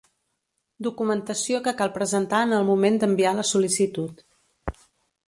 Documentació que cal presentar en el moment d'enviar la sol·licitud.